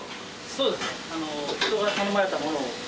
そうですよね。